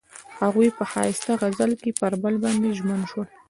هغوی په ښایسته غزل کې پر بل باندې ژمن شول.